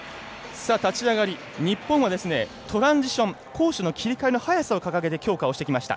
立ち上がり日本はトランジション攻守の切り替えの早さを掲げて強化をしてきました。